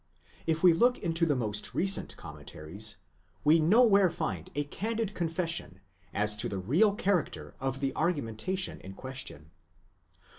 If we look into the most recent commentaries, we nowhere find a candid confession as to the real character of the argumentation in question.